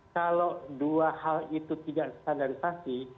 kalau dua hal itu tidak standarisasi